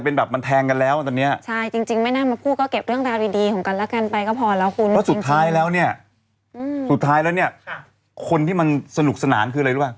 เพราะสุดท้ายแล้วเนี่ยสุดท้ายแล้วเนี่ยคนที่มันสนุกสนานคืออะไรหรือเปล่า